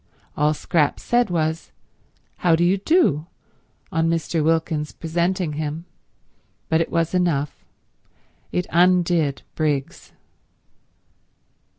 All Scrap said was, "How do you do," on Mr. Wilkins presenting him, but it was enough; it undid Briggs.